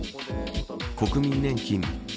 国民年金、月